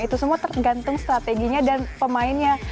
itu semua tergantung strateginya dan pemainnya